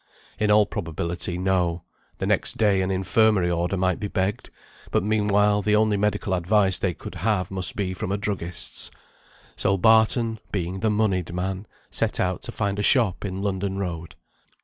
In all probability, no; the next day an infirmary order might be begged, but meanwhile the only medical advice they could have must be from a druggist's. So Barton (being the moneyed man) set out to find a shop in London Road.